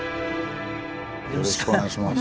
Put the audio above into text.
よろしくお願いします。